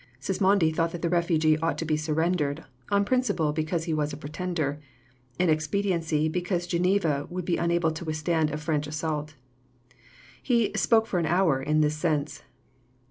Sismondi thought that the refugee ought to be surrendered on principle because he was a pretender, in expediency because Geneva would be unable to withstand a French assault. He "spoke for an hour" in this sense.